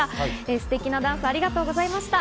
すてきなダンスありがとうございました。